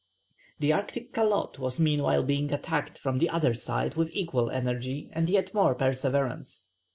The Arctic calotte was meanwhile being attacked from the other side with equal energy and yet more perseverance.